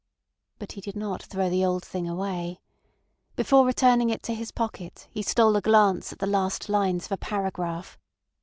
But he did not throw the old thing away. Before returning it to his pocket he stole a glance at the last lines of a paragraph.